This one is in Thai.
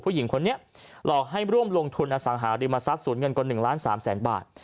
ผู้หญิงคนนี้หลอกให้ร่วมลงทุนอสังหาริมทรัพย์ศูนย์เงินกว่า๑ล้าน๓แสนบาท